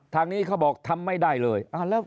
ทางนี้เขาบอกทำไม่ได้เลย